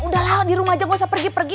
udah lama di rumah aja gak usah pergi pergi